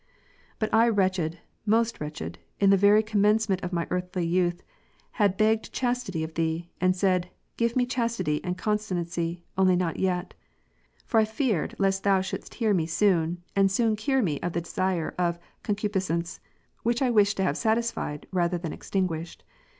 But I wretched, most wretched, in the very commencement of my eai'ly youth, had begged chastity of Thee, and said, " Give me chastity and continency, only not yet." For I feared lest Thou shouldest hear me soon, and soon cure me of the disease of concu piscence, which I wished to have satisfied, rather than ex tinguished.